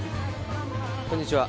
こんにちは。